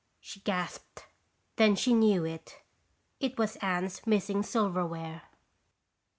she gasped. Then she knew. It was Anne's missing silverware.